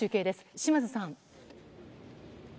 島津さん。